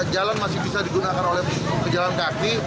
jalan masih bisa digunakan oleh pejalan kaki